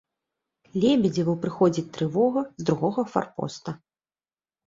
Лебедзеву прыходзіць трывога з другога фарпоста.